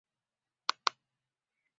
该物种的模式产地在长崎和日本。